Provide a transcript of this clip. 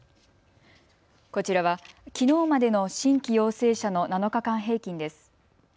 こちらは、きのうまでの新規陽性者の７日間平均です。